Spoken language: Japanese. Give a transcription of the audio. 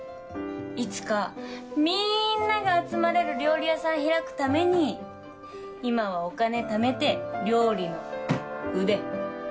いつかみーんなが集まれる料理屋さん開くために今はお金ためて料理の腕磨いとるけん。